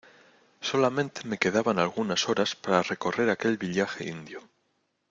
solamente me quedaban algunas horas para recorrer aquel villaje indio.